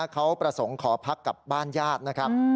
เขาประสงค์ขอพักกับบ้านญาตินะครับ